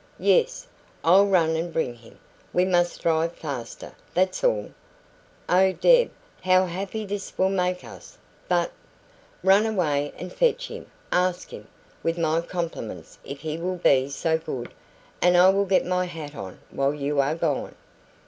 Yes, I'll run and bring him. We must drive faster, that's all. Oh, Deb, how happy this will make us! But " "Run away and fetch him ask him, with my compliments if he will be so good and I will get my hat on while you are gone."